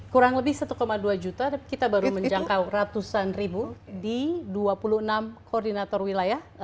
kurang lebih satu dua juta tapi kita baru menjangkau ratusan ribu di dua puluh enam koordinator wilayah